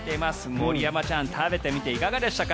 森山ちゃん食べてみていかがでしたか？